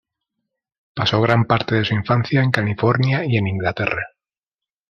Pasó gran parte de su infancia en California y en Inglaterra.